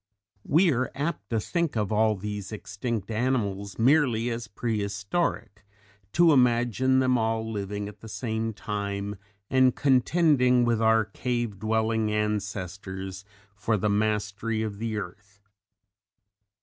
We are apt to think of all these extinct animals merely as prehistoric to imagine them all living at the same time and contending with our cave dwelling ancestors for the mastery of the earth.